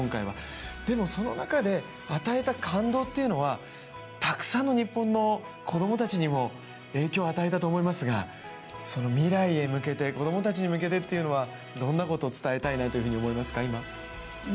でもその中で与えた感動というのはたくさんの日本の子どもたちにも影響を与えたと思いますが、未来へ向けて子供たちに向けてというのは、どんなことを伝えたいと思いますか、今。